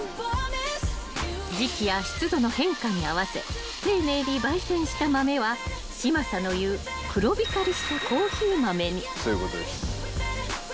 ［時季や湿度の変化に合わせ丁寧に焙煎した豆は嶋佐の言う黒光りしたコーヒー豆に］